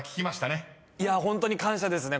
ホントに感謝ですね。